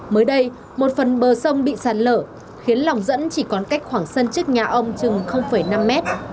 mới đây một phần bờ sông bị sạt lở khiến lòng dẫn chỉ còn cách khoảng sân trước nhà ông chừng năm mét